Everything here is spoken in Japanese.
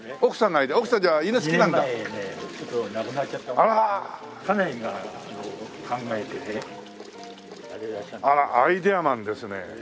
あらアイデアマンですね。